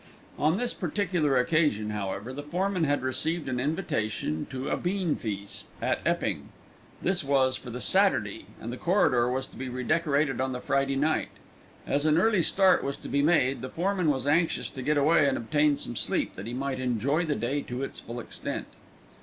On this particular occasion, however, the foreman had received an invitation to a beanfeast at Epping. This was for the Saturday, and the corridor was to be redecorated on the Friday night. As an early start was to be made, the foreman was anxious to get away and obtain some sleep that he might enjoy the day to its full extent.